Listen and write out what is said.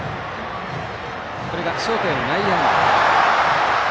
これがショートへの内野安打。